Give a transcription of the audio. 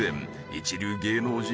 一流芸能人